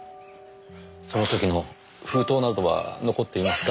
その時の封筒などは残っていますか？